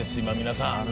今皆さん。